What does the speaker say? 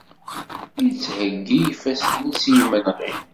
Ittheyyi ifassen-is i yimenɣi.